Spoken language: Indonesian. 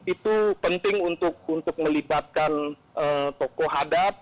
itu penting untuk melibatkan tokoh hadap